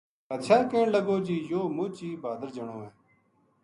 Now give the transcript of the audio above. بادشاہ کہن لگو جی یوہ مچ ہی بہادر جنو ہے